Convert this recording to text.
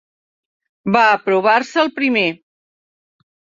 Va aprovar-se el primer.